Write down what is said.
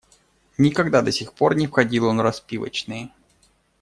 Никогда до сих пор не входил он в распивочные.